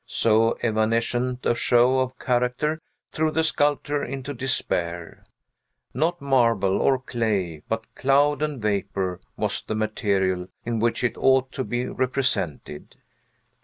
So evanescent a show of character threw the sculptor into despair; not marble or clay, but cloud and vapor, was the material in which it ought to be represented.